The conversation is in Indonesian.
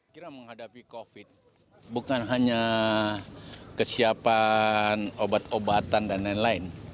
kira menghadapi covid sembilan belas bukan hanya kesiapan obat obatan dan lain lain